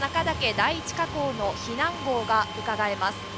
第一火口の避難ごうがうかがえます。